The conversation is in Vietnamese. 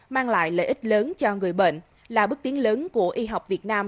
mang lại lợi ích lớn cho người bệnh là bước tiến lớn của y học việt nam